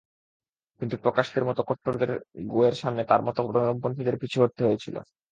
কিন্তু প্রকাশদের মতো কট্টরদের গোঁয়ের সামনে তাঁর মতো নরমপন্থীদের পিছু হটতে হয়েছিল।